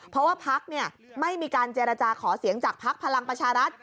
เพราะว่าพักไม่มีการเจรจาขอเสียงจากภักดิ์พลังประชารัฐ